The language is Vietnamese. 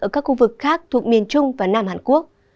ở các khu vực khác thuộc miền trung và nam hàn quốc